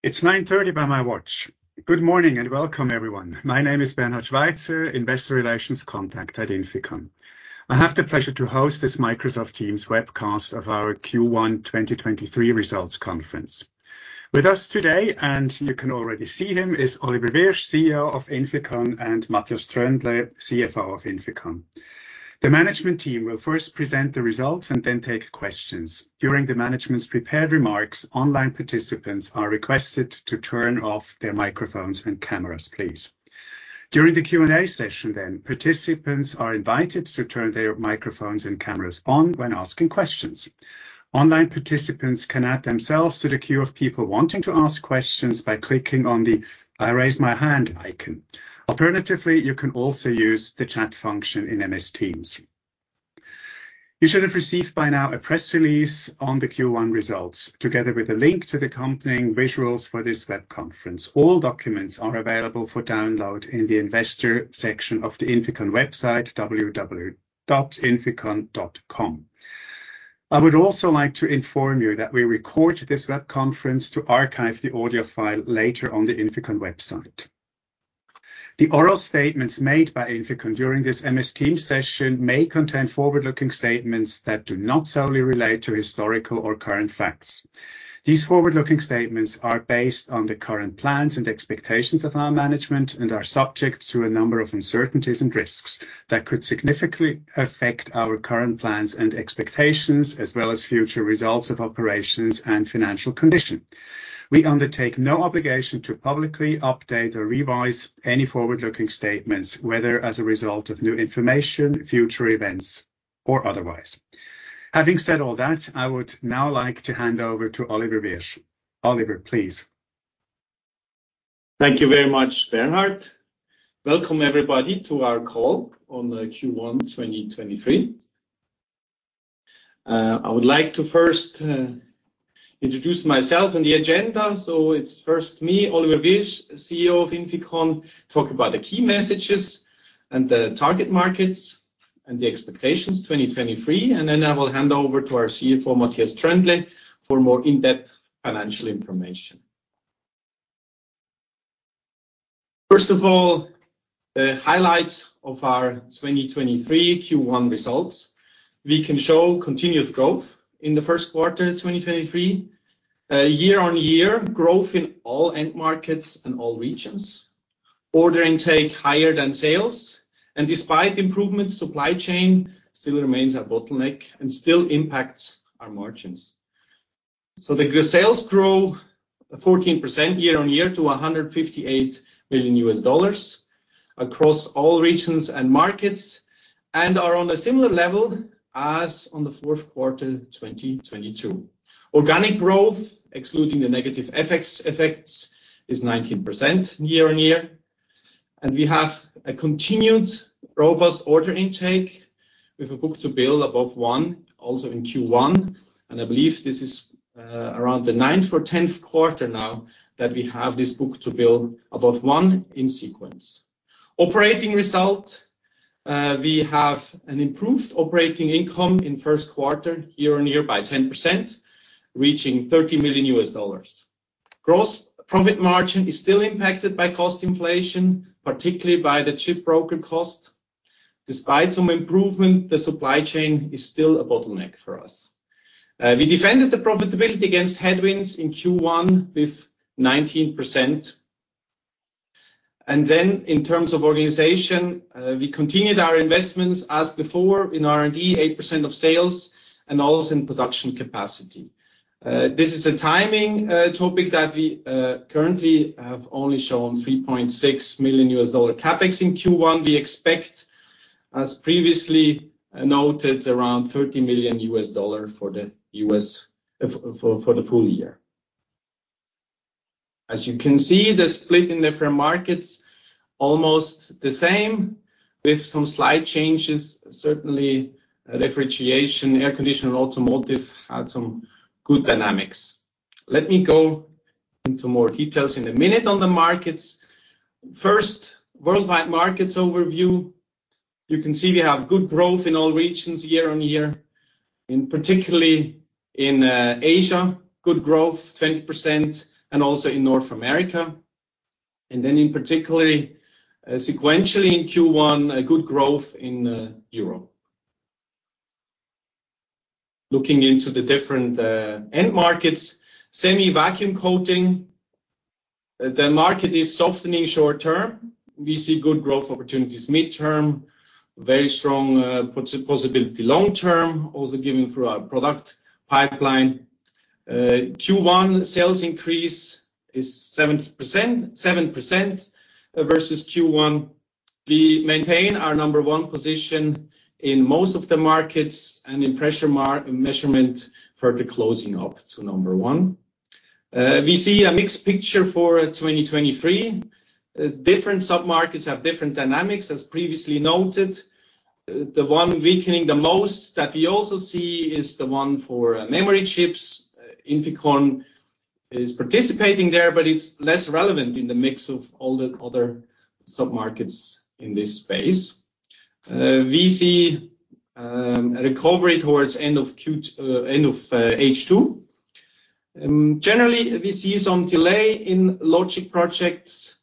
It's 9:30 A.M. by my watch. Good morning and welcome, everyone. My name is Bernhard Schweizer, investor relations contact at INFICON. I have the pleasure to host this Microsoft Teams webcast of our Q1 2023 results conference. With us today, you can already see him, is Oliver Wyrsch, CEO of INFICON, and Matthias Tröndle, CFO of INFICON. The management team will first present the results and then take questions. During the management's prepared remarks, online participants are requested to turn off their microphones and cameras, please. During the Q&A session, participants are invited to turn their microphones and cameras on when asking questions. Online participants can add themselves to the queue of people wanting to ask questions by clicking on the I Raise My Hand icon. Alternatively, you can also use the chat function in MS Teams. You should have received by now a press release on the Q1 results, together with a link to the accompanying visuals for this web conference. All documents are available for download in the investor section of the INFICON website, www.inficon.com. I would also like to inform you that we record this web conference to archive the audio file later on the INFICON website. The oral statements made by INFICON during this MS Teams session may contain forward-looking statements that do not solely relate to historical or current facts. These forward-looking statements are based on the current plans and expectations of our management and are subject to a number of uncertainties and risks that could significantly affect our current plans and expectations, as well as future results of operations and financial condition. We undertake no obligation to publicly update or revise any forward-looking statements, whether as a result of new information, future events, or otherwise. Having said all that, I would now like to hand over to Oliver Wyrsch. Oliver, please. Thank you very much, Bernhard. Welcome everybody to our call on the Q1 2023. I would like to first introduce myself and the agenda. It's first me, Oliver Wyrsch, CEO of INFICON, talk about the key messages and the target markets and the expectations 2023, then I will hand over to our CFO, Matthias Tröndle, for more in-depth financial information. First of all, the highlights of our 2023 Q1 results. We can show continuous growth in the first quarter 2023. Year-on-year growth in all end markets and all regions. Order intake higher than sales. Despite improvements, supply chain still remains a bottleneck and still impacts our margins. The sales grow 14% year-on-year to $158 million across all regions and markets and are on a similar level as on the fourth quarter 2022. Organic growth, excluding the negative effects, is 19% year-on-year. We have a continued robust order intake with a book-to-bill above 1 also in Q1, and I believe this is around the ninth or tenth quarter now that we have this book-to-bill above 1 in sequence. Operating result. We have an improved operating income in first quarter year-on-year by 10%, reaching $30 million. Gross profit margin is still impacted by cost inflation, particularly by the chip broker cost. Despite some improvement, the supply chain is still a bottleneck for us. We defended the profitability against headwinds in Q1 with 19%. In terms of organization, we continued our investments as before in R&D, 8% of sales, and also in production capacity. This is a timing topic that we currently have only shown $3.6 million CapEx in Q1. We expect, as previously noted, around $30 million for the full year. As you can see, the split in different markets almost the same with some slight changes. Certainly, refrigeration, air conditioning, and automotive had some good dynamics. Let me go into more details in a minute on the markets. First, worldwide markets overview. You can see we have good growth in all regions year-on-year, in particularly in Asia, good growth, 20%, and also in North America. Then in particularly, sequentially in Q1, a good growth in Europe. Looking into the different end markets, semi-vacuum coating, the market is softening short term. We see good growth opportunities mid-term, very strong possibility long term, also given through our product pipeline. Q1 sales increase is 7% versus Q1. We maintain our number one position in most of the markets and in pressure measurement further closing up to number one. We see a mixed picture for 2023. Different submarkets have different dynamics, as previously noted. The one weakening the most that we also see is the one for memory chips. INFICON is participating there, but it's less relevant in the mix of all the other submarkets in this space. We see recover towards end of H2. Generally we see some delay in logic projects,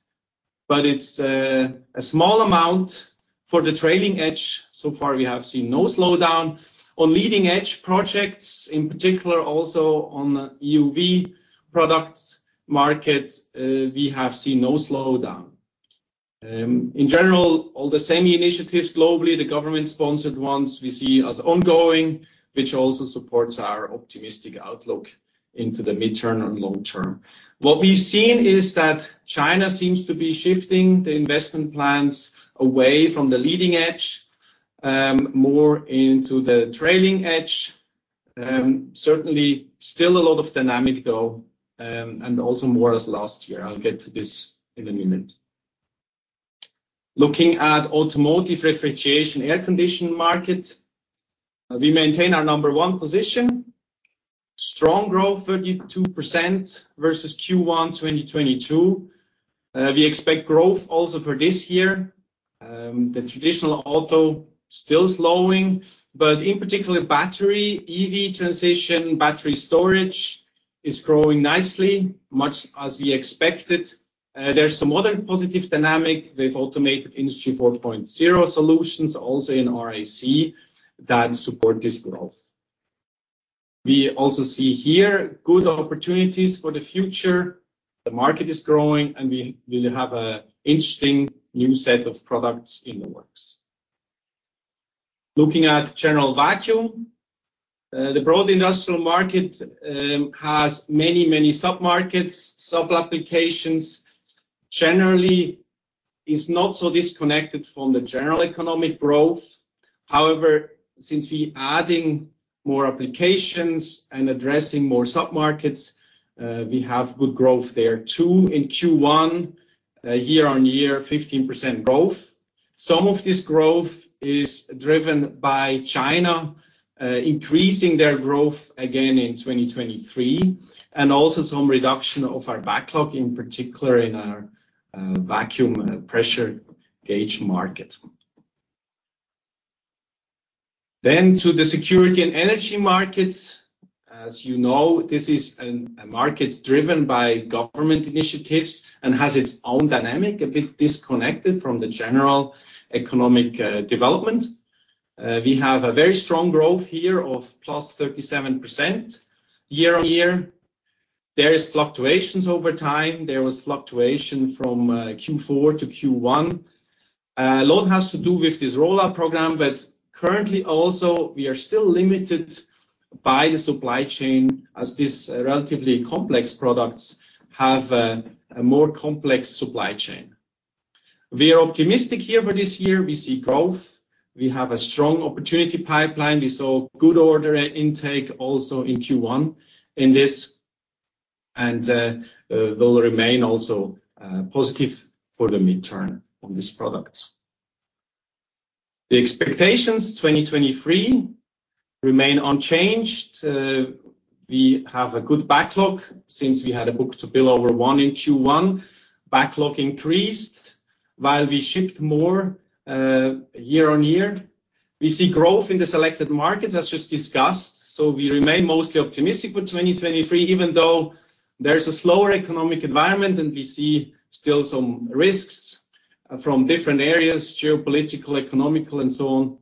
but it's a small amount. For the trailing edge, so far we have seen no slowdown. On leading edge projects, in particular also on EUV products markets, we have seen no slowdown. In general, all the semi initiatives globally, the government-sponsored ones we see as ongoing, which also supports our optimistic outlook into the mid-term and long term. What we've seen is that China seems to be shifting the investment plans away from the leading edge, more into the trailing edge. Certainly still a lot of dynamic though, also more as last year. I'll get to this in a minute. Looking at automotive refrigeration air conditioning market, we maintain our number one position. Strong growth, 32% versus Q1, 2022. We expect growth also for this year. The traditional auto still slowing, in particular battery, EV transition, battery storage is growing nicely, much as we expected. There's some other positive dynamic with automated Industry 4.0 solutions also in RAC that support this growth. We also see here good opportunities for the future. The market is growing, and we will have a interesting new set of products in the works. Looking at general vacuum, the broad industrial market has many, many submarkets. Sub-applications generally is not so disconnected from the general economic growth. However, since we adding more applications and addressing more submarkets, we have good growth there too. In Q1, year-on-year, 15% growth. Some of this growth is driven by China, increasing their growth again in 2023, and also some reduction of our backlog, in particular in our vacuum pressure gauge market. To the security and energy markets. As you know, this is a market driven by government initiatives and has its own dynamic, a bit disconnected from the general economic development. We have a very strong growth here of +37% year-over-year. There is fluctuations over time. There was fluctuation from Q4 to Q1. A lot has to do with this rollout program, but currently also we are still limited by the supply chain as these relatively complex products have a more complex supply chain. We are optimistic here for this year. We see growth. We have a strong opportunity pipeline. We saw good order intake also in Q1 in this and will remain also positive for the mid-term on this product. The expectations 2023 remain unchanged. We have a good backlog since we had a book-to-bill over 1 in Q1. Backlog increased while we shipped more, year-on-year. We see growth in the selected markets as just discussed, so we remain mostly optimistic for 2023, even though there's a slower economic environment and we see still some risks from different areas, geopolitical, economical and so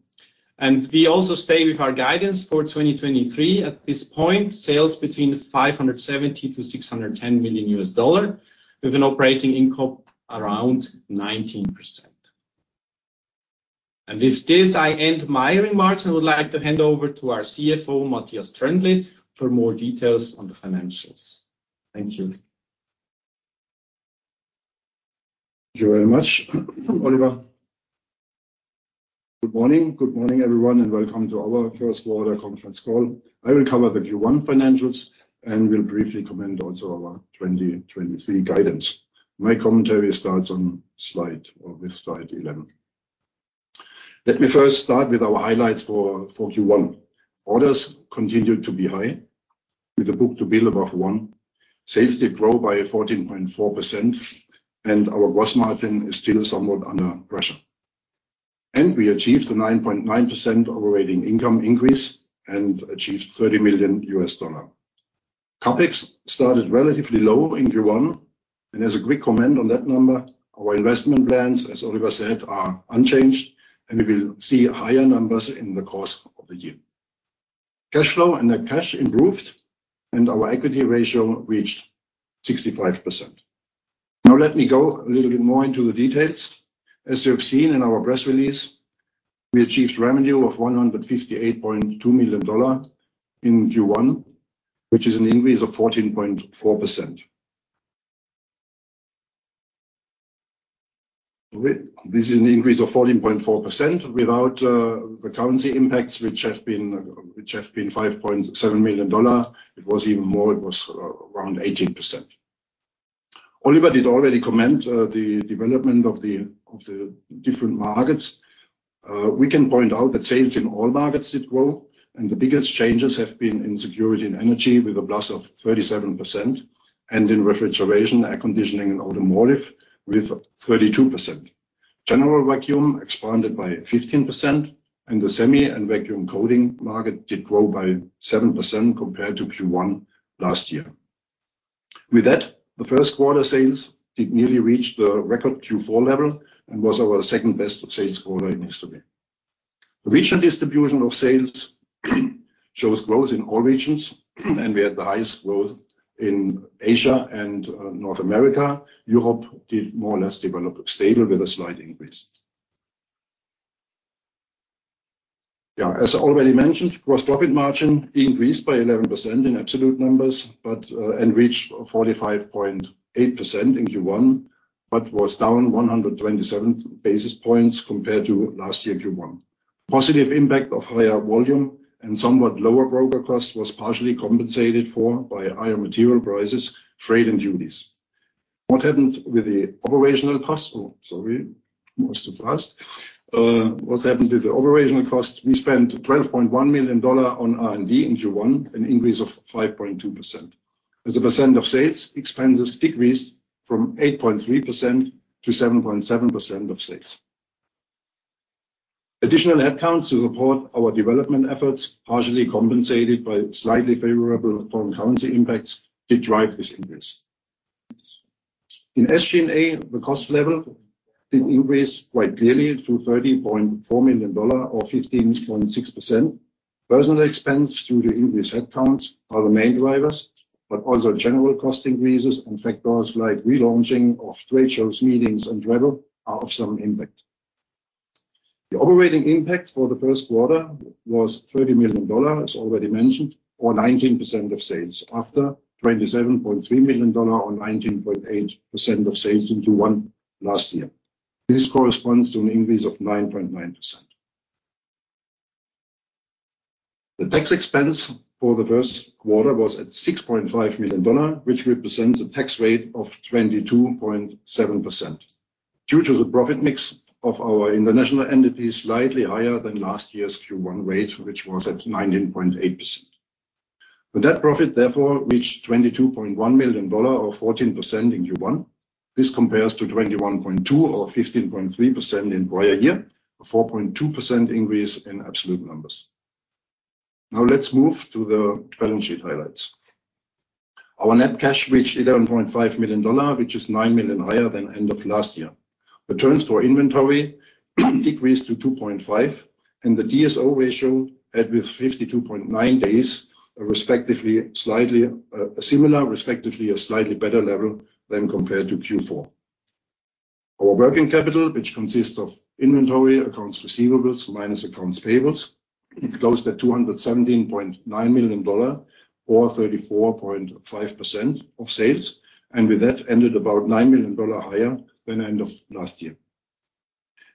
on. We also stay with our guidance for 2023. At this point, sales between $570 million-$610 million with an operating income around 19%. With this, I end my remarks and would like to hand over to our CFO, Matthias Tröndle, for more details on the financials. Thank you. Thank you very much, Oliver. Good morning. Good morning, everyone, and welcome to our first quarter conference call. I will cover the Q1 financials and will briefly comment also on our 2023 guidance. My commentary starts with slide 11. Let me first start with our highlights for Q1. Orders continued to be high with the book-to-bill above 1. Sales did grow by 14.4% and our gross margin is still somewhat under pressure. We achieved a 9.9% operating income increase and achieved $30 million. CapEx started relatively low in Q1 and as a quick comment on that number, our investment plans, as Oliver said, are unchanged and we will see higher numbers in the course of the year. Cash flow and net cash improved and our equity ratio reached 65%. Now let me go a little bit more into the details. As you have seen in our press release, we achieved revenue of $158.2 million in Q1 which is an increase of 14.4%. This is an increase of 14.4% without the currency impacts which have been $5.7 million. It was even more, it was around 18%. Oliver did already comment the development of the different markets. We can point out that sales in all markets did grow and the biggest changes have been in security and energy with a plus of 37%, and in refrigeration, air conditioning and automotive with 32%. General vacuum expanded by 15%, and the semi and vacuum coating market did grow by 7% compared to Q1 last year. With that, the first quarter sales did nearly reach the record Q4 level and was our second-best sales quarter in history. The regional distribution of sales shows growth in all regions and we had the highest growth in Asia and North America. Europe did more or less develop stable with a slight increase. As already mentioned, gross profit margin increased by 11% in absolute numbers. Reached 45.8% in Q1, but was down 127 basis points compared to last year Q1. Positive impact of higher volume and somewhat lower broker cost was partially compensated for by higher material prices, freight and duties. What happened with the operational costs? Sorry. It was too fast. What happened with the operational costs? We spent $12.1 million on R&D in Q1, an increase of 5.2%. As a percent of sales, expenses decreased from 8.3% to 7.7% of sales. Additional ad counts to support our development efforts, partially compensated by slightly favorable foreign currency impacts did drive this increase. In SG&A, the cost level did increase quite clearly to $30.4 million or 15.6%. Personnel expense due to increased headcounts are the main drivers, but also general cost increases and factors like relaunching of trade shows, meetings and travel are of some impact. The operating impact for the first quarter was $30 million, as already mentioned, or 19% of sales, after $27.3 million or 19.8% of sales in Q1 last year. This corresponds to an increase of 9.9%. The tax expense for the first quarter was at $6.5 million, which represents a tax rate of 22.7% due to the profit mix of our international entities slightly higher than last year's Q1 rate, which was at 19.8%. The net profit therefore reached $22.1 million or 14% in Q1. This compares to $21.2 million or 15.3% in prior year, a 4.2% increase in absolute numbers. Let's move to the balance sheet highlights. Our net cash reached $11.5 million, which is $9 million higher than end of last year. The turns for inventory decreased to 2.5, and the DSO ratio had with 52.9 days, respectively a slightly better level than compared to Q4. Our working capital, which consists of inventory, accounts receivables minus accounts payables, closed at $217.9 million or 34.5% of sales, and with that ended about $9 million higher than end of last year.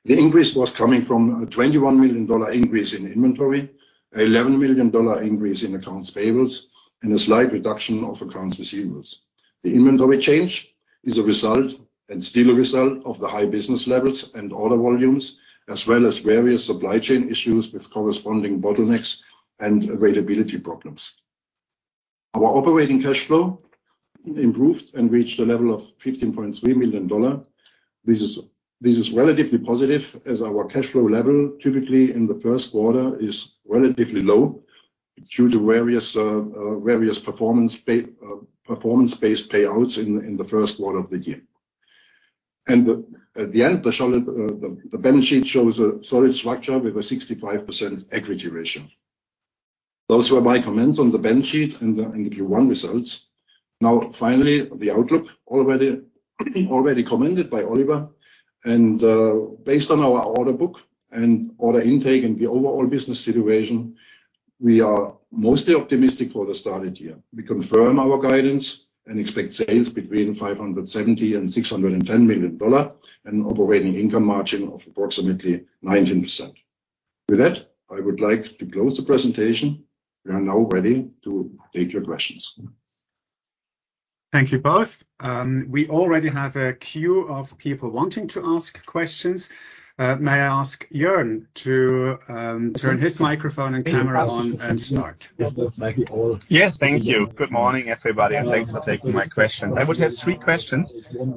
The increase was coming from a $21 million increase in inventory, $11 million increase in accounts payables, and a slight reduction of accounts receivables. The inventory change is a result, and still a result of the high business levels and order volumes, as well as various supply chain issues with corresponding bottlenecks and availability problems. Our operating cash flow improved and reached a level of $15.3 million. This is relatively positive as our cash flow level typically in the first quarter is relatively low due to various performance-based payouts in the first quarter of the year. At the end, the balance sheet shows a solid structure with a 65% equity ratio. Those were my comments on the balance sheet and the Q1 results. Now finally, the outlook already commented by Oliver. Based on our order book and order intake and the overall business situation, we are mostly optimistic for the started year. We confirm our guidance and expect sales between $570 million and $610 million and operating income margin of approximately 19%. With that, I would like to close the presentation. We are now ready to take your questions. Thank you both. We already have a queue of people wanting to ask questions. May I ask Jörn to turn his microphone and camera on and start? Yes, thank you. Good morning, everybody, and thanks for taking my questions. I would have three questions,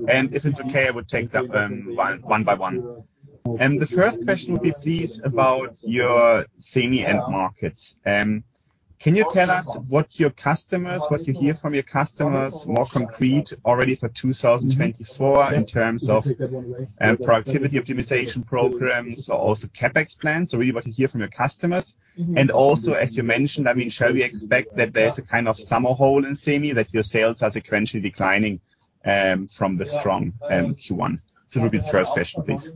and if it's okay, I would take them one by one. The first question would be please about your semi end markets. Can you tell us what your customers, what you hear from your customers more concrete already for 2024 in terms of productivity optimization programs or also CapEx plans? Really what you hear from your customers. Also, as you mentioned, I mean, shall we expect that there's a kind of summer hole in semi that your sales are sequentially declining from the strong Q1? It will be the first question, please.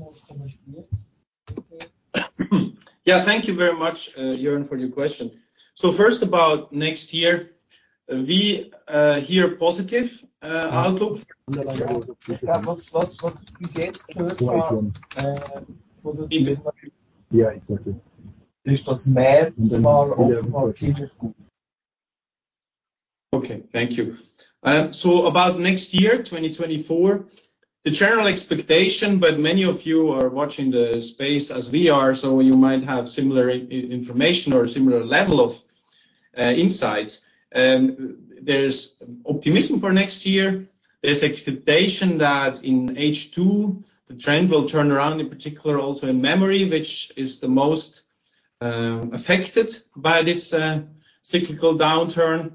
Yeah. Thank you very much, Jörn, for your question. First about next year, we hear positive outlook. Yeah, exactly. Okay. Thank you. About next year, 2024 The general expectation, many of you are watching the space as we are, you might have similar information or similar level of insights. There's optimism for next year. There's expectation that in H2 the trend will turn around, in particular also in memory, which is the most affected by this cyclical downturn.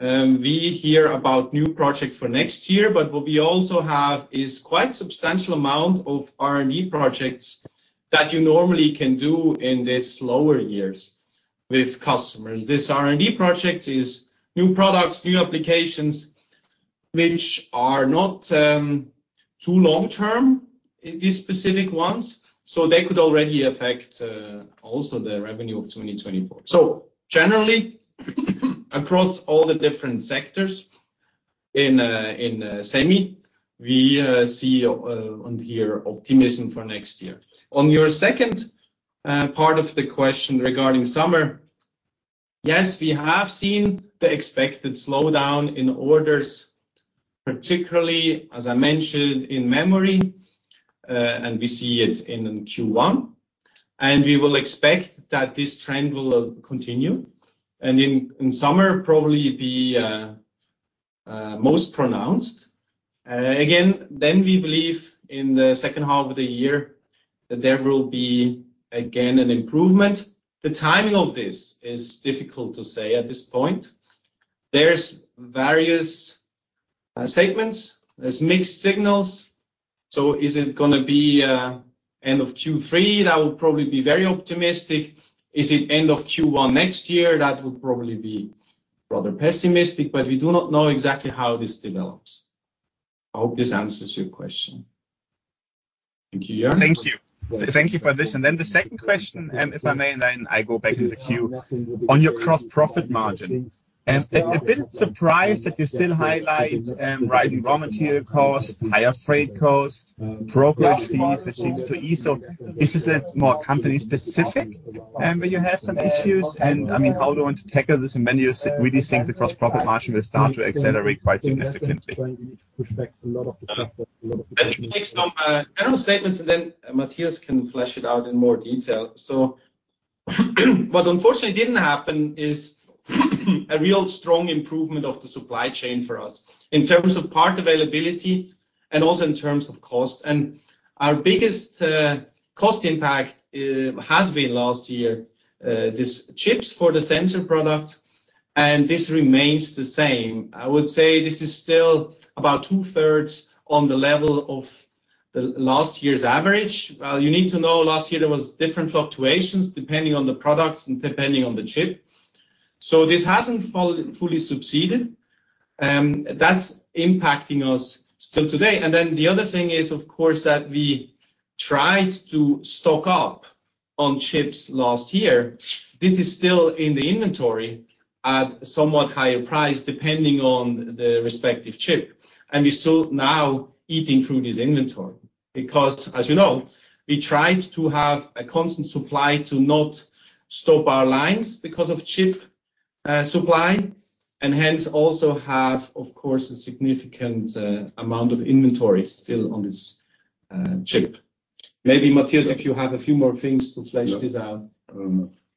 We hear about new projects for next year, what we also have is quite substantial amount of R&D projects that you normally can do in the slower years with customers. This R&D project is new products, new applications which are not too long-term in these specific ones, they could already affect also the revenue of 2024. Generally, across all the different sectors in in semi, we see on here optimism for next year. On your second part of the question regarding summer, yes, we have seen the expected slowdown in orders, particularly, as I mentioned, in memory, and we see it in Q1. We will expect that this trend will continue, in summer probably be most pronounced. Again, we believe in the second half of the year that there will be again an improvement. The timing of this is difficult to say at this point. There's various statements. There's mixed signals. Is it gonna be end of Q3? That would probably be very optimistic. Is it end of Q1 next year? That would probably be rather pessimistic. We do not know exactly how this develops. I hope this answers your question. Thank you. Jörn. Thank you. Thank you for this. The second question, if I may, I go back to the queue. On your gross profit margin, a bit surprised that you still highlight rising raw material costs, higher freight costs, brokerage fees, it seems to ease. Is this a more company specific, where you have some issues? I mean, how do you want to tackle this? When do you really think the gross profit margin will start to accelerate quite significantly? Let me make some general statements and then Matthias can flesh it out in more detail. What unfortunately didn't happen is a real strong improvement of the supply chain for us in terms of part availability and also in terms of cost. Our biggest cost impact has been last year, this chips for the sensor products, and this remains the same. I would say this is still about two thirds on the level of the last year's average. Well, you need to know last year there was different fluctuations depending on the products and depending on the chip. This hasn't fully succeeded, and that's impacting us still today. The other thing is, of course, that we tried to stock up on chips last year. This is still in the inventory at somewhat higher price, depending on the respective chip. We're still now eating through this inventory because, as you know, we tried to have a constant supply to not stop our lines because of chip supply and hence also have, of course, a significant amount of inventory still on this chip. Maybe Matthias, if you have a few more things to flesh this out.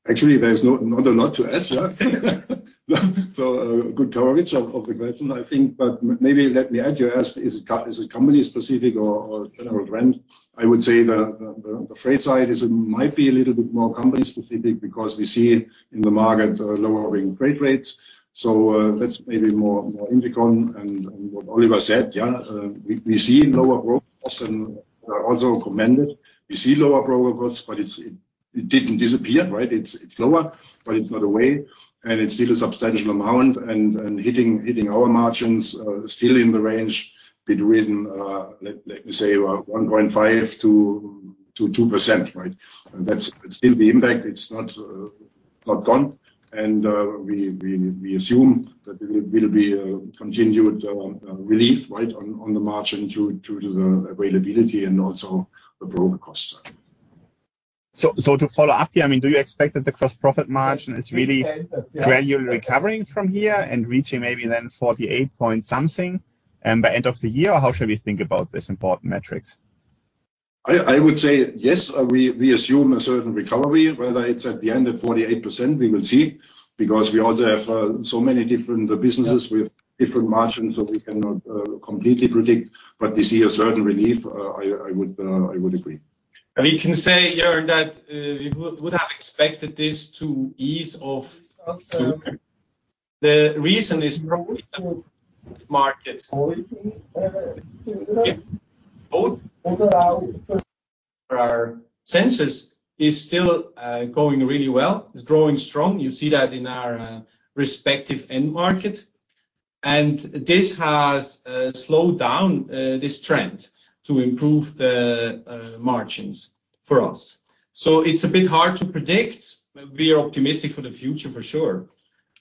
Actually, there's not a lot to add. Good coverage of the question, I think. Maybe let me add, you asked is it company specific or general trend. I would say the freight side is, might be a little bit more company specific because we see in the market lowering freight rates. That's maybe more INFICON and what Oliver said, yeah. We see lower growth costs and also commended. We see lower growth costs, but it didn't disappear, right? It's lower, but it's not away, and it's still a substantial amount and hitting our margins still in the range between, let me say around 1.5% to 2%, right? That's still the impact. It's not gone. we assume that it will be a continued relief, right, on the margin due to the availability and also the broker costs. To follow up here, I mean, do you expect that the gross profit margin is really gradually recovering from here and reaching maybe then 48 point something% by end of the year? How should we think about this important metric? I would say yes, we assume a certain recovery, whether it's at the end of 48%, we will see, because we also have so many different businesses with different margins, so we cannot completely predict. We see a certain relief, I would agree. We can say, Jörn, that we would have expected this to ease off. The reason is for our sensors is still going really well. It's growing strong. You see that in our respective end market. This has slowed down this trend to improve the margins for us. It's a bit hard to predict. We are optimistic for the future for sure,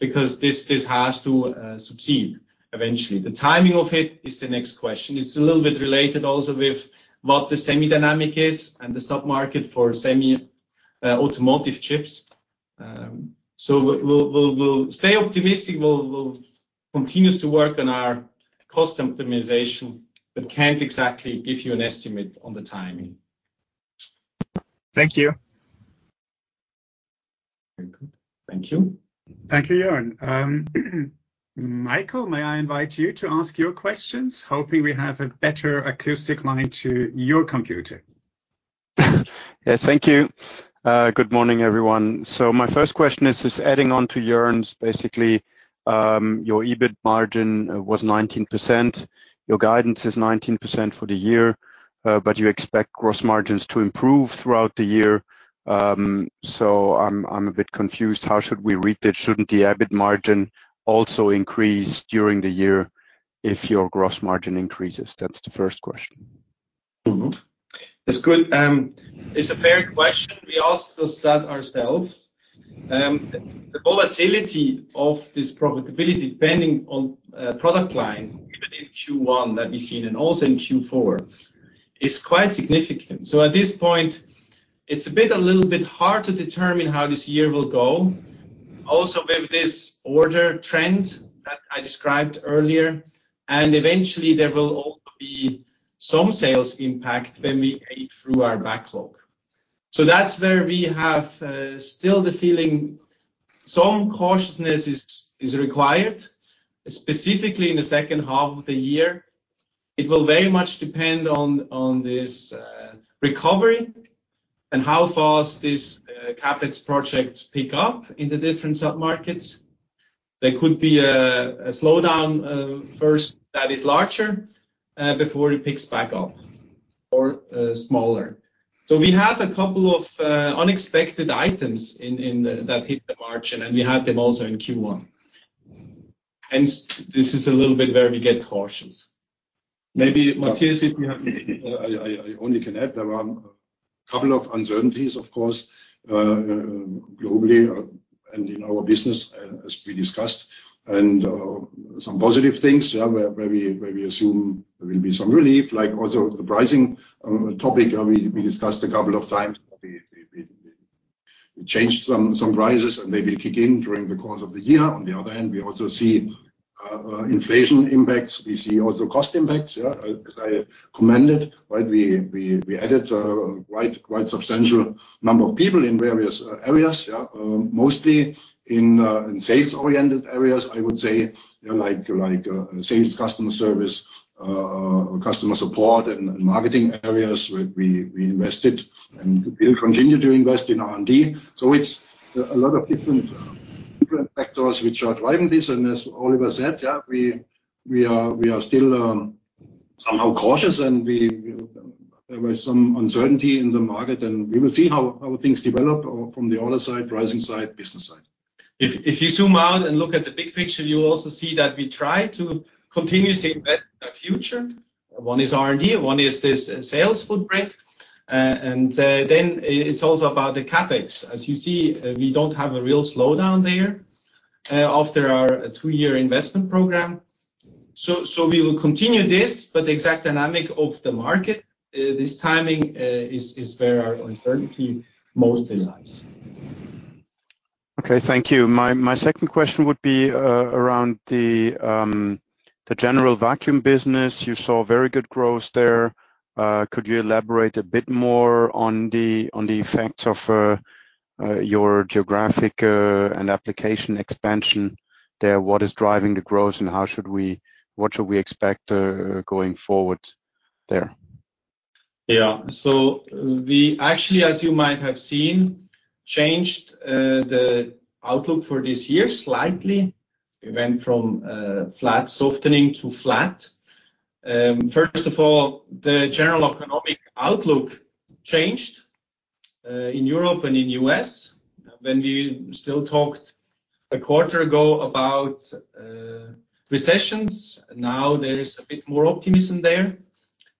because this has to succeed eventually. The timing of it is the next question. It's a little bit related also with what the semi dynamic is and the sub-market for semi automotive chips. We'll stay optimistic. We'll continue to work on our cost optimization, but can't exactly give you an estimate on the timing. Thank you. Very good. Thank you. Thank you, Jörn. Michael, may I invite you to ask your questions? Hoping we have a better acoustic line to your computer. Yeah, thank you. Good morning, everyone. My first question is, just adding on to Jörn's, basically, your EBIT margin was 19%. Your guidance is 19% for the year, but you expect gross margins to improve throughout the year. I'm a bit confused. How should we read it? Shouldn't the EBIT margin also increase during the year if your gross margin increases? That's the first question. It's good. It's a fair question. We asked us that ourselves. The volatility of this profitability depending on product line, even in Q1 that we've seen and also in Q4 is quite significant. At this point, it's a bit a little bit hard to determine how this year will go. Also, with this order trend that I described earlier, and eventually there will also be some sales impact when we ate through our backlog. That's where we have still the feeling some cautiousness is required, specifically in the second half of the year. It will very much depend on this recovery and how fast these CapEx projects pick up in the different submarkets. There could be a slowdown first that is larger before it picks back up, or smaller. we had a couple of unexpected items that hit the margin, and we had them also in Q1. this is a little bit where we get cautious. Maybe Matthias, if you have. I only can add, there are a couple of uncertainties, of course, globally and in our business as we discussed. Some positive things, where we assume there will be some relief, like also the pricing topic we discussed a couple of times. We changed some prices and they will kick in during the course of the year. On the other hand, we also see inflation impacts. We see also cost impacts, as I commented, right? We added a quite substantial number of people in various areas, mostly in sales-oriented areas, I would say, you know, like sales, customer service, customer support and marketing areas where we invested, and we'll continue to invest in R&D. It's a lot of different factors which are driving this. As Oliver said, yeah, we are still, somehow cautious, and there was some uncertainty in the market. We will see how things develop or from the order side, pricing side, business side. If you zoom out and look at the big picture, you also see that we try to continuously invest in our future. One is R&D, and one is this sales footprint. Then it's also about the CapEx. As you see, we don't have a real slowdown there after our two-year investment program. We will continue this, but the exact dynamic of the market, this timing, is where our uncertainty mostly lies. Okay, thank you. My second question would be around the general vacuum business. You saw very good growth there. Could you elaborate a bit more on the effects of your geographic and application expansion there? What is driving the growth, and what should we expect going forward there? Yeah. We actually, as you might have seen, changed the outlook for this year slightly. We went from flat softening to flat. First of all, the general economic outlook changed in Europe and in U.S. When we still talked a quarter ago about recessions, now there is a bit more optimism there.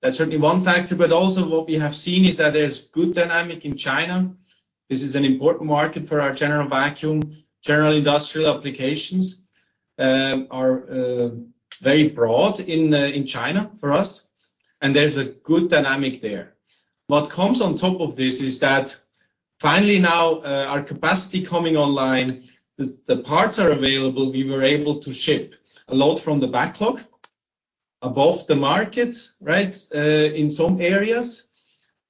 That's certainly one factor. What we have seen is that there's good dynamic in China. This is an important market for our general vacuum. General industrial applications are very broad in China for us, and there's a good dynamic there. What comes on top of this is that finally now our capacity coming online, the parts are available. We were able to ship a lot from the backlog above the market, right, in some areas,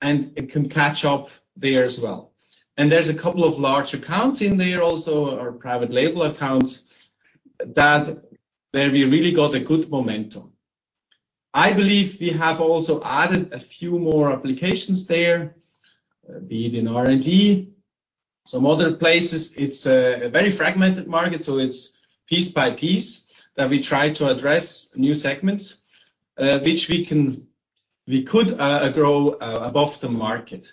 and it can catch up there as well. There's a couple of large accounts in there also, our private label accounts, that we really got a good momentum. I believe we have also added a few more applications there, be it in R&D, some other places. It's a very fragmented market, so it's piece by piece that we try to address new segments, which we could grow above the market.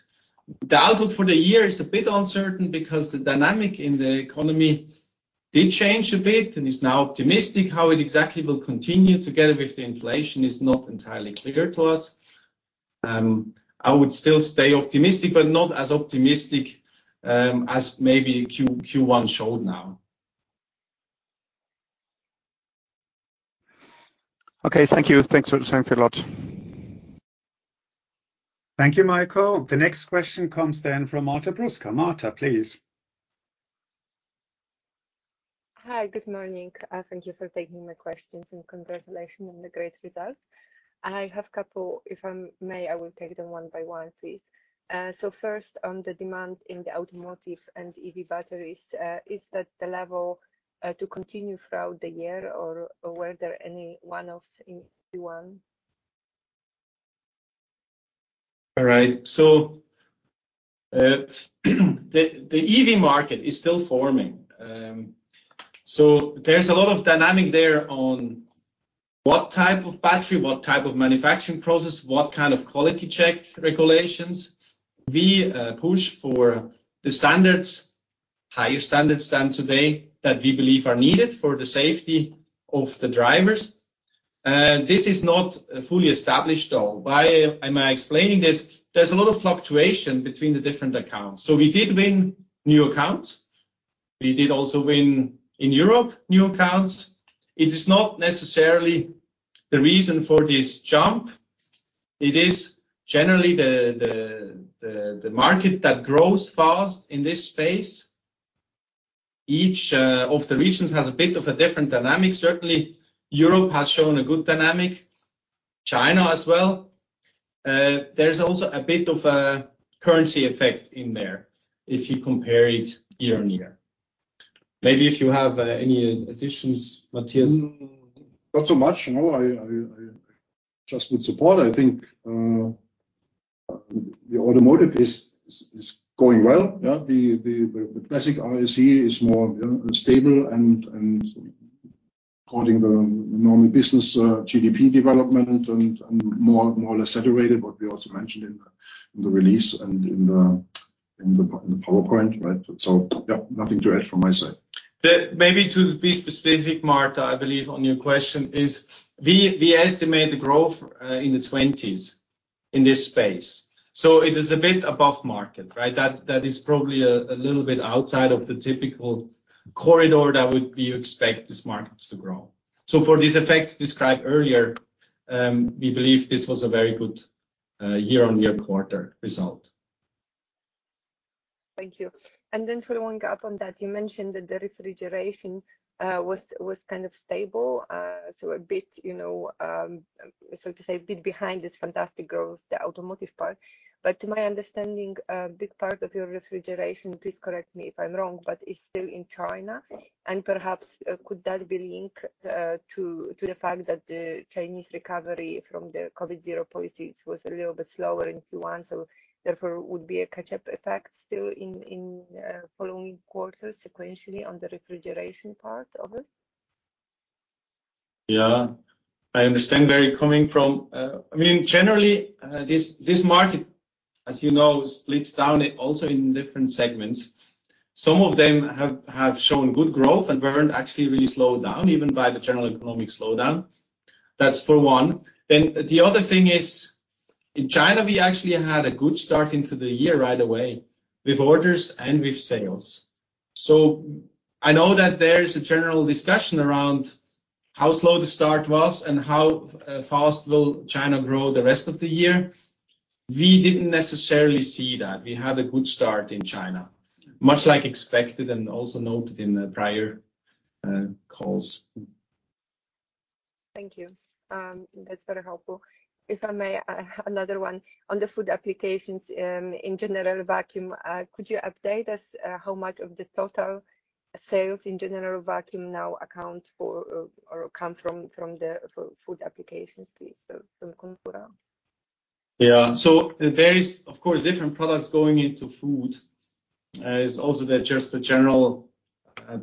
The outlook for the year is a bit uncertain because the dynamic in the economy did change a bit and is now optimistic. How it exactly will continue together with the inflation is not entirely clear to us. I would still stay optimistic, but not as optimistic as maybe Q1 showed now. Okay, thank you. Thanks. Thanks a lot. Thank you, Michael. The next question comes then from Marta Brusca. Marta, please. Hi. Good morning. Thank you for taking my questions, and congratulations on the great results. I have couple, if I may, I will take them one by one, please. First, on the demand in the automotive and EV batteries, is that the level to continue throughout the year or were there any one-offs in Q1? All right. The EV market is still forming. There's a lot of dynamic there on what type of battery, what type of manufacturing process, what kind of quality check regulations. We push for the standards, higher standards than today, that we believe are needed for the safety of the drivers. This is not fully established, though. Why am I explaining this? There's a lot of fluctuation between the different accounts. We did win new accounts. We did also win in Europe, new accounts. It is not necessarily the reason for this jump. It is generally the market that grows fast in this space. Each of the regions has a bit of a different dynamic. Certainly, Europe has shown a good dynamic, China as well. There is also a bit of a currency effect in there if you compare it year-on-year. Maybe if you have any additions, Matthias. Not so much. No, I just would support. I think, the automotive is going well. Yeah, the classic ISE is more stable and, according the normal business, GDP development and more or less saturated, what we also mentioned in the release and in the PowerPoint, right? Yeah, nothing to add from my side. Maybe to be specific, Marta, I believe on your question is we estimate the growth in the twenties in this space, so it is a bit above market, right? That is probably a little bit outside of the typical corridor that would you expect this market to grow. For these effects described earlier, we believe this was a very good year-over-year quarter result. Thank you. Following up on that, you mentioned that the refrigeration was kind of stable. So a bit, you know, so to say a bit behind this fantastic growth, the automotive part. To my understanding, a big part of your refrigeration, please correct me if I'm wrong, but is still in China. Perhaps could that be linked to the fact that the Chinese recovery from the zero-COVID policies was a little bit slower in Q1, so therefore would be a catch-up effect still in following quarters sequentially on the refrigeration part of it? Yeah, I understand where you're coming from. I mean, generally, this market, as you know, splits down also in different segments. Some of them have shown good growth and weren't actually really slowed down even by the general economic slowdown. That's for one. The other thing is, in China, we actually had a good start into the year right away with orders and with sales. I know that there is a general discussion around how slow the start was and how fast will China grow the rest of the year. We didn't necessarily see that. We had a good start in China, much like expected and also noted in the prior calls. Thank you. That's very helpful. If I may, another one. On the food applications, in general vacuum, could you update us, how much of the total sales in general vacuum now account for or come from the food applications, please, so from Contura? There is, of course, different products going into food. It's also just the general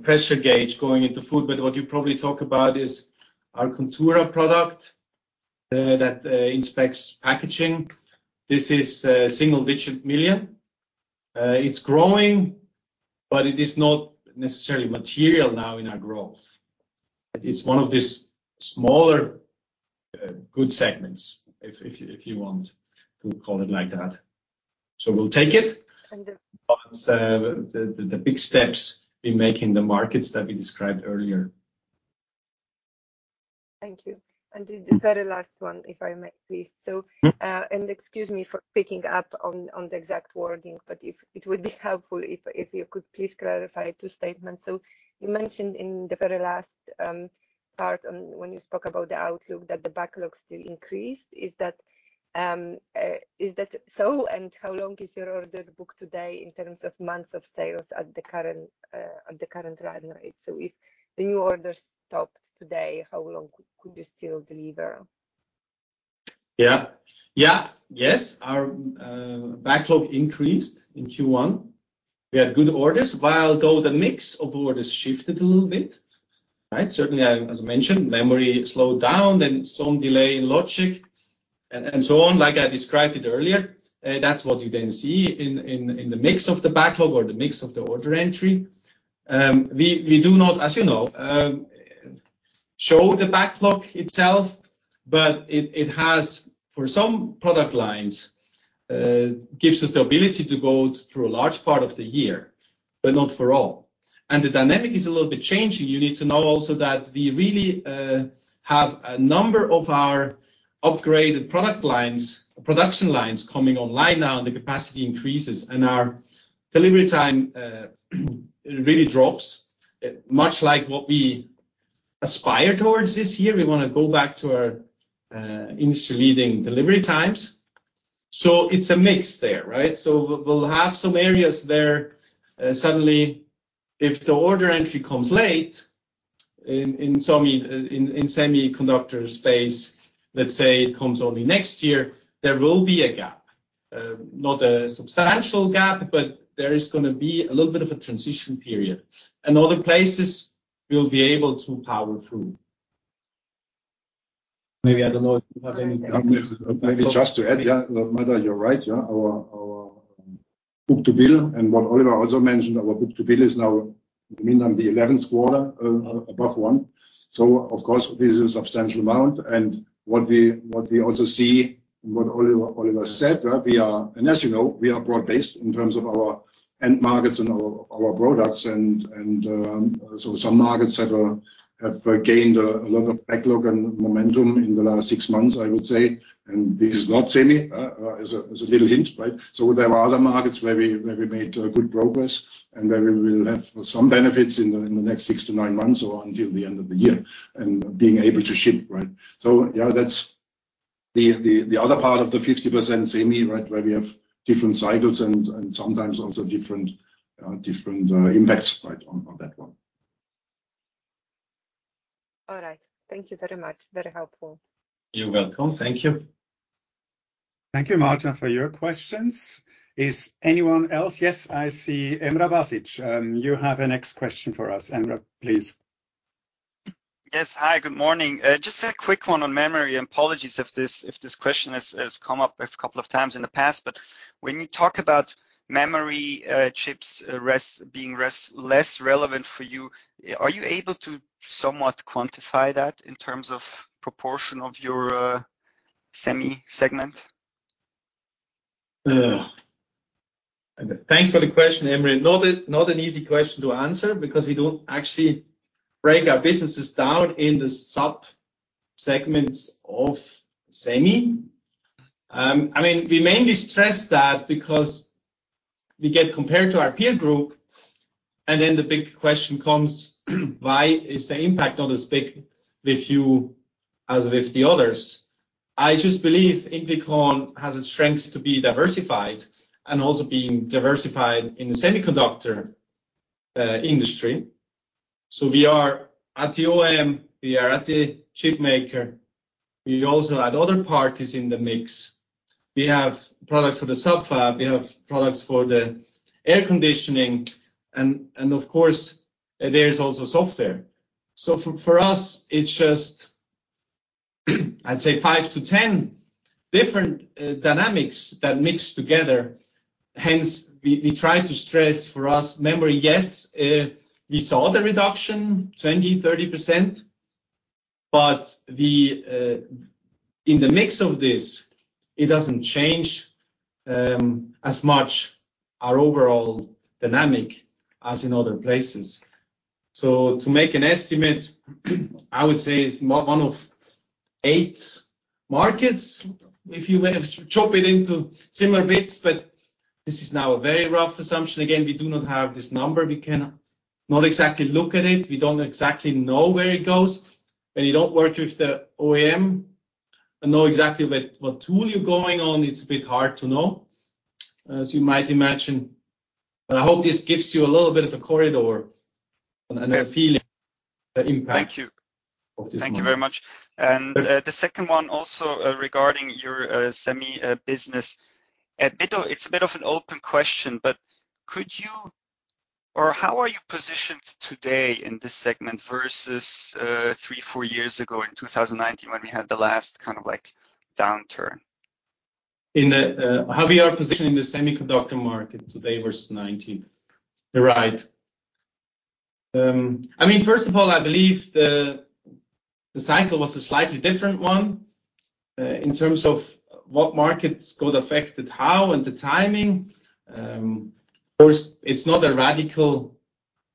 pressure gauge going into food. What you probably talk about is our Contura product that inspects packaging. This is a single-digit million USD. It's growing, but it is not necessarily material now in our growth. It's one of these smaller, good segments, if you want to call it like that. We'll take it. Understood. The big steps we make in the markets that we described earlier. Thank you. The very last one, if I may please. Mm-hmm. Excuse me for picking up on the exact wording, but it would be helpful if you could please clarify two statements. You mentioned in the very last part on when you spoke about the outlook that the backlog still increased. Is that so? How long is your order book today in terms of months of sales at the current run rate? If the new orders stopped today, how long could you still deliver? Yeah. Yeah. Yes, our backlog increased in Q1. We had good orders, while though the mix of orders shifted a little bit, right? Certainly, as mentioned, memory slowed down, then some delay in logic and so on, like I described it earlier. That's what you then see in the mix of the backlog or the mix of the order entry. We do not, as you know, show the backlog itself, but it has for some product lines, gives us the ability to go through a large part of the year. But not for all. The dynamic is a little bit changing. You need to know also that we really, have a number of our upgraded production lines coming online now, and the capacity increases, and our delivery time really drops, much like what we aspire towards this year. We want to go back to our industry-leading delivery times. It's a mix there, right? We'll have some areas there, suddenly, if the order entry comes late in semiconductor space, let's say it comes only next year, there will be a gap. Not a substantial gap, but there is gonna be a little bit of a transition period. In other places, we'll be able to power through. Maybe, I don't know if you have anything to add? Maybe just to add, Marta, you're right. Our book-to-bill, and what Oliver also mentioned, our book-to-bill is now, I mean, on the 11th quarter above one. Of course, this is a substantial amount. What we also see, and what Oliver said, and as you know, we are broad-based in terms of our end markets and our products. Some markets have gained a lot of backlog and momentum in the last six months, I would say. This is not semi is a little hint, right? There are other markets where we made good progress and where we will have some benefits in the next six to nine months or until the end of the year and being able to ship, right? Yeah, that's the other part of the 50% semi, right, where we have different cycles and sometimes also different impacts, right, on that one. All right. Thank you very much. Very helpful. You're welcome. Thank you. Thank you, Marta, for your questions. Is anyone else? Yes, I see Emra Basic. You have the next question for us, Emra, please. Yes. Hi, good morning. Just a quick one on memory. Apologies if this question has come up a couple of times in the past. When you talk about memory, chips being less relevant for you, are you able to somewhat quantify that in terms of proportion of your semi segment? Thanks for the question, Emra. Not an easy question to answer because we don't actually break our businesses down in the sub-segments of semi. I mean, we mainly stress that because we get compared to our peer group, the big question comes, why is the impact not as big with you as with the others? I just believe INFICON has a strength to be diversified and also being diversified in the semiconductor industry. We are at the OEM, we are at the chip maker. We also add other parties in the mix. We have products for the sub-fab, we have products for the air conditioning, and of course, there's also software. For us, it's just, I'd say five to 10 different dynamics that mix together. Hence, we try to stress for us memory, yes, we saw the reduction 20%, 30%, but we in the mix of this, it doesn't change as much our overall dynamic as in other places. To make an estimate, I would say it's 1 of 8 markets, if you will, chop it into similar bits, but this is now a very rough assumption. Again, we do not have this number. We cannot exactly look at it. We don't exactly know where it goes. When you don't work with the OEM and know exactly what tool you're going on, it's a bit hard to know, as you might imagine. I hope this gives you a little bit of a corridor and a feeling of the impact. Thank you. Thank you very much. The second one also regarding your semi business. It's a bit of an open question, but how are you positioned today in this segment versus 3, 4 years ago in 2019 when we had the last kind of like downturn? In the how we are positioned in the semiconductor market today versus 2019. Right. I mean, first of all, I believe the cycle was a slightly different one in terms of what markets got affected how and the timing. Of course, it's not a radical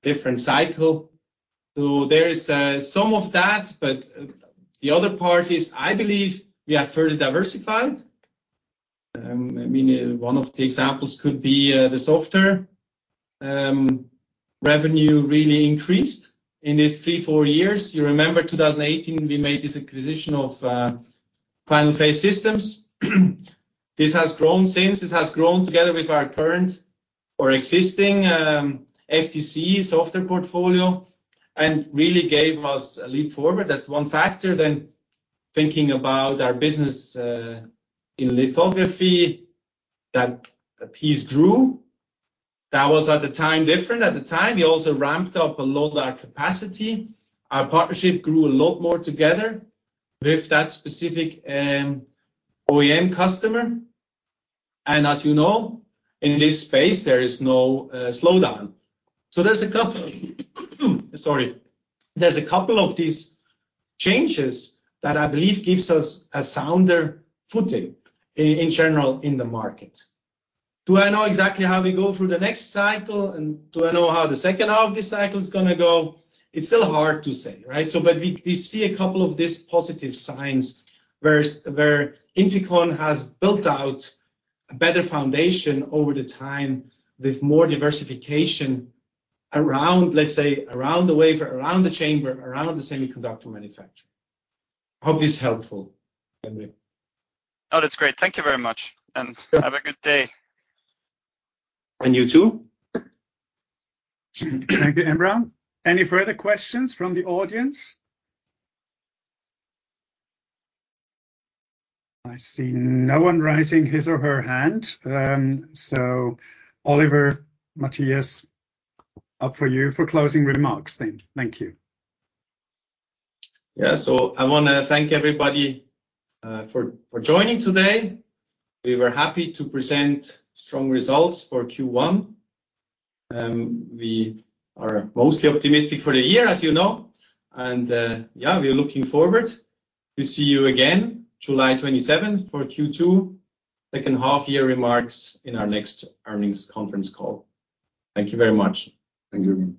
different cycle. There is some of that, but the other part is, I believe we are further diversified. I mean, one of the examples could be the software. Revenue really increased in these three, four years. You remember 2018, we made this acquisition of Final Phase Systems. This has grown since. This has grown together with our current or existing FDC software portfolio and really gave us a leap forward. That's one factor. Thinking about our business in lithography, that piece grew. That was at the time different. At the time, we also ramped up a lot of our capacity. Our partnership grew a lot more together with that specific OEM customer. As you know, in this space, there is no slowdown. Sorry. There's a couple of these changes that I believe gives us a sounder footing in general in the market. Do I know exactly how we go through the next cycle and do I know how the second half of this cycle is gonna go? It's still hard to say, right? We see a couple of these positive signs where INFICON has built out a better foundation over the time with more diversification around, let's say, around the wafer, around the chamber, around the semiconductor manufacturer. Hope this is helpful, Emra. No, that's great. Thank you very much, and have a good day. You too. Thank you, Emra. Any further questions from the audience? I see no one raising his or her hand. Oliver, Matthias, up for you for closing remarks then. Thank you. I wanna thank everybody for joining today. We were happy to present strong results for Q1. We are mostly optimistic for the year, as you know. We're looking forward to see you again July 27th for Q2, second half year remarks in our next earnings conference call. Thank you very much. Thank you.